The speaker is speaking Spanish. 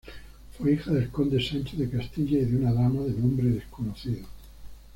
Fue hija del conde Sancho de Castilla y de una dama de nombre desconocido.